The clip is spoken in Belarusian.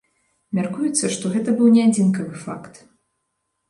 Мяркуецца, што гэта быў не адзінкавы факт.